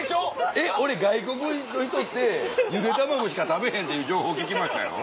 えっ俺外国の人ってゆで卵しか食べへんっていう情報聞きましたよ。